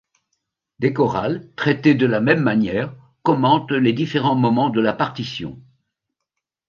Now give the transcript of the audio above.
Des chorals, traités de la même manière, commentent les différents moments de la partition.